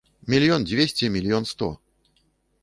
Мільён дзвесце, мільён сто!